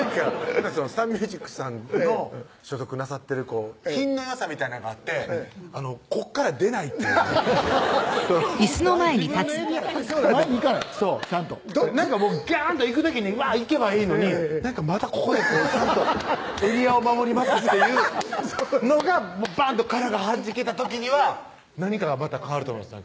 サンミュージックさんの所属なさってる品のよさみたいなんがあってここから出ないっていう自分のエリアから前に行かないそうちゃんとギャンと行く時にウワー行けばいいのにまだここでこうちゃんとエリアを守りますっていうのがバーンと殻がはじけた時には何かがまた変わると思います